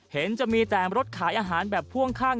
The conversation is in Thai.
เห็นจะมีแต่รถขายอาหารแบบพ่วงข้าง